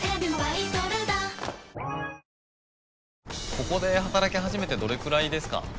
ここで働きはじめてどれくらいですか。